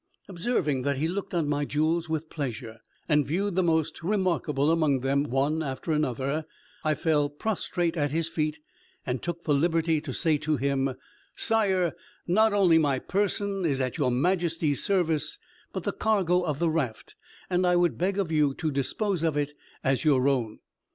Observing that he looked on my jewels with pleasure, and viewed the most remarkable among them, one after another, I fell prostrate at his feet, and took the liberty to say to him, "Sire, not only my person is at your majesty's service, but the cargo of the raft, and I would beg of you to dispose of it as your own."